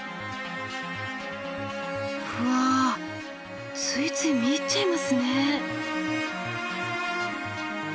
うわついつい見入っちゃいますね。